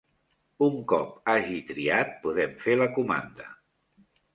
Un cop hagi triat podem fer la comanda.